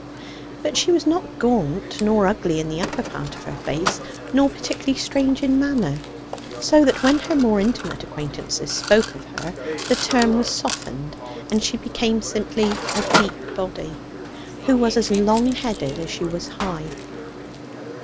But she was not gaunt, nor ugly in the upper part of her face, nor particularly strange in manner; so that, when her more intimate acquaintances spoke of her the term was softened, and she became simply a Deep Body, who was as long headed as she was high.